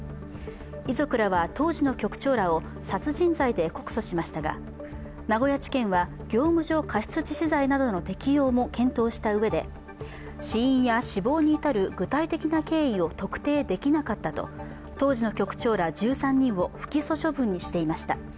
遺族らは当時の局長らを殺人罪で告訴しましたが名古屋地検は業務上過失致死罪などの適用も検討したうえで死因や死亡に至る具体的な経緯を特定できなかったと当時の局長ら１３人を不起訴処分にしていました。